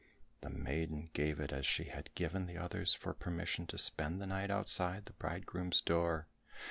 The maiden gave it as she had given the others for permission to spend the night outside the bridegroom's door.